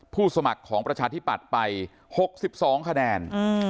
สมัครของประชาธิปัตย์ไป๖๒คะแนน